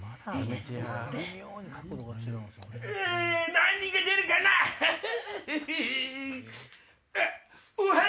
何が出るかなっ？